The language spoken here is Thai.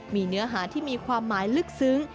มีเนื้อหาที่มีความหมายลึกซึ้ง